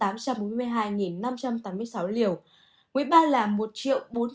mũi ba là sáu mươi bảy tám trăm bốn mươi hai năm trăm tám mươi sáu liều